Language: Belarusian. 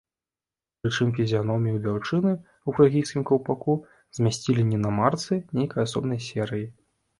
Прычым фізіяномію дзяўчыны ў фрыгійскім каўпаку змясцілі не на марцы нейкай асобнай серыі.